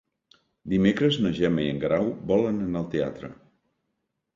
Dimecres na Gemma i en Guerau volen anar al teatre.